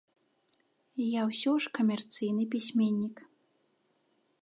Я ўсё ж камерцыйны пісьменнік.